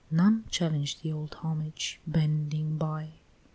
None challenge the old homage bending by.